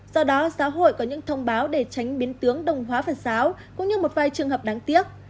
do đó giáo hội có những thông báo để tránh biến tướng đồng hóa phật giáo cũng như một vài trường hợp đáng tiếc